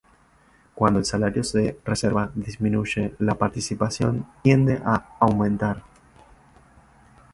Cuando el salario de reserva disminuye, la participación tiende a aumentar.